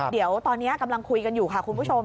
เดี๋ยวตอนนี้กำลังคุยกันอยู่ค่ะคุณผู้ชม